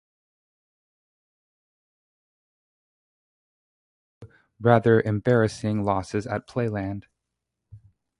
The lack of ice time led directly to two rather embarrassing losses at Playland.